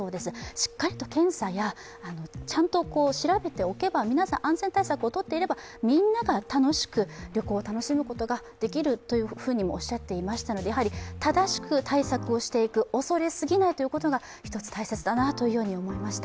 しっかりと検査やちゃんと調べておけば、皆さん安全対策をとっていれば、みんなが旅行を楽しむことができるとおっしゃっていましたので、やはり正しく対策をしていく、恐れすぎないことが１つ大切だなと思いました。